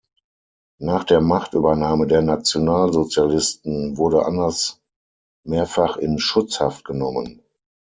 Nach der Machtübernahme der Nationalsozialisten wurde Anders mehrfach in „Schutzhaft“ genommen.